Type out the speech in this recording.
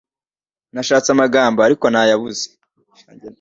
nashatse amagambo ariko nayabuze